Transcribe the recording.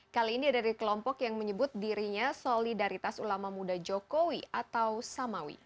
kali ini ada dari kelompok yang menyebut dirinya solidaritas ulama muda jokowi atau samawi